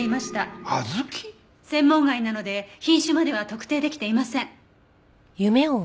専門外なので品種までは特定できていません。